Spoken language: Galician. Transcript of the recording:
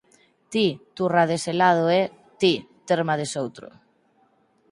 Ti, turra dese lado e, ti, terma desoutro.